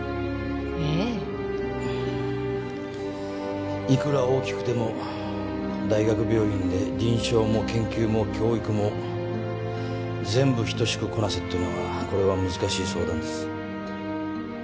ええいくら大きくても大学病院で臨床も研究も教育も全部等しくこなせってのは難しい相談です